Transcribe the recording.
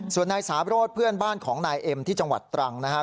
ส่วนนายสาโรธเพื่อนบ้านของนายเอ็มที่จังหวัดตรังนะครับ